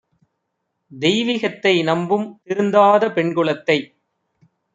தெய்விகத்தை நம்பும் திருந்தாத பெண்குலத்தை